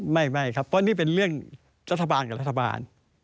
ไม่ครับเพราะนี่เป็นเรื่องรัฐบาลกับรัฐบาล